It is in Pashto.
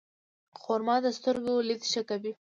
خرما د سترګو لید ښه کوي.